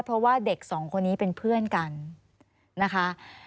เพราะว่าเด็กสองคนนี้เป็นเพื่อนกันนะคะ